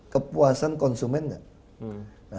kepuasan konsumen nggak